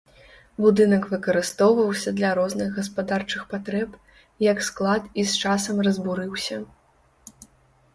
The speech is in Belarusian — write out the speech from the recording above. Будынак выкарыстоўваўся для розных гаспадарчых патрэб, як склад і з часам разбурыўся.